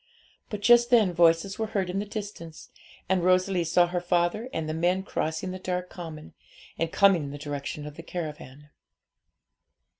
But just then voices were heard in the distance, and Rosalie saw her father and the men crossing the dark common, and coming in the direction of the caravan.